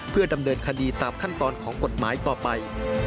เพื่อดำเนินคดีตามขั้นตอนของกฎหมายต่อไป